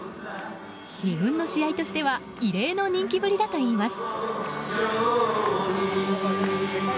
２軍の試合としては異例の人気ぶりだといいます。